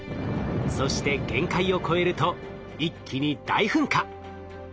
そして限界を超えると一気に大噴火。